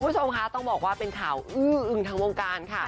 คุณผู้ชมค่ะต้องบอกว่าเป็นข่าวอื้ออึงทั้งวงการค่ะ